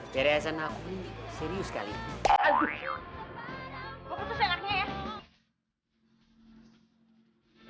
percayaan aku serius kali ini